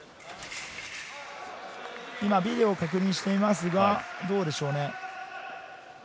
今、ビデオを確認していますがどうでしょうね。